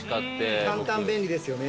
簡単便利ですよね。